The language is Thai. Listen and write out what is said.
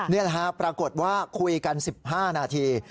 เนี่ยนะคะปรากฏว่าคุยกัน๑๕นาที